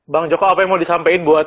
bang joko apa yang mau disampaikan buat